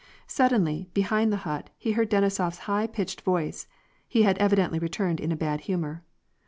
Suddenly, behind the hut, he heard Denisof s high pitched voice: he had evidently returned in a bad humor.